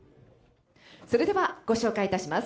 それではご紹介いたします。